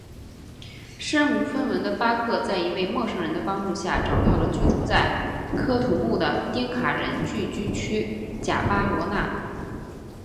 身无分文的巴克在一位陌生人的帮助下找到了居住在喀土穆的丁卡人聚居区贾巴罗纳。